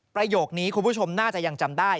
ประโยคนี้คุณผู้ชมน่าจะยังจำได้